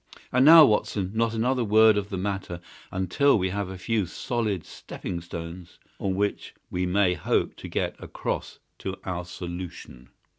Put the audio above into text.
And now, Watson, not another word of the matter until we have a few solid stepping stones on which we may hope to get across to our solution."